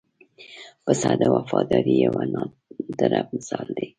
پسه د وفادارۍ یو نادره مثال دی.